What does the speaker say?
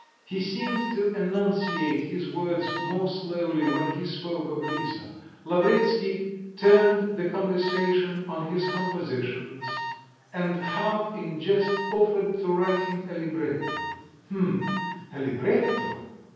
He seemed to enunciate his words more slowly when he spoke of Lisa. Lavretsky turned the conversation on his compositions, and half in jest, offered to write him a libretto. "H'm, a libretto!"